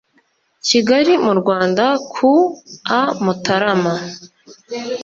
Kigali mu Rwanda ku a Mutarama